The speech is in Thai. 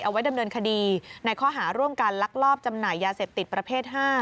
เอาไว้ดำเนินคดีในข้อหาร่วมกันลักลอบจำหน่ายยาเสพติดประเภท๕